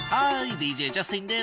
ＤＪジャスティンです。